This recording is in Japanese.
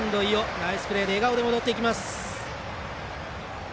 ナイスプレーで笑顔で戻っていきます。